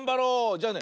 じゃあね